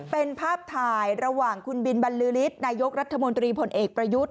เป็นภาพถ่ายระหว่างคุณบินบรรลือฤทธินายกรัฐมนตรีพลเอกประยุทธ์